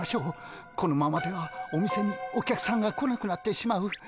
このままではお店にお客さんが来なくなってしまう。